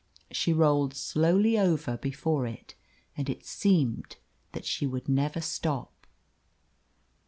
She rolled slowly over before it, and it seemed that she would never stop.